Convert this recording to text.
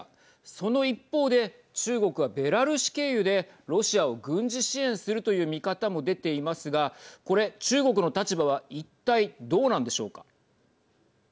その一方で中国はベラルーシ経由でロシアを軍事支援するという見方も出ていますがこれ、中国の立場は一体どうなんでしょうか。